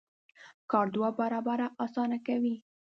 کار دوه برابره اسانه کوي.